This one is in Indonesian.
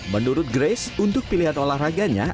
menurut grace untuk pilihan olahraganya